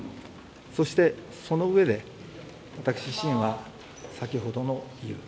そして、そのうえで私自身は先ほどの。